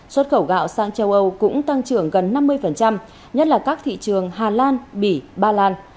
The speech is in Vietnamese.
xuất khẩu gạo sang châu âu cũng tăng trưởng gần năm mươi nhất là các thị trường hà lan bỉ ba lan